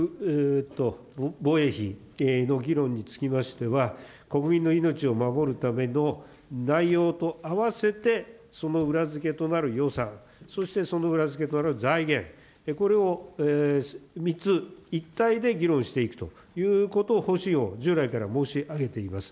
わが国の防衛費の議論につきましては、国民の命を守るための内容と併せて、その裏付けとなる予算、そしてその裏付けとなる財源、これを３つ、一体で議論していくということを、方針を、従来から申し上げております。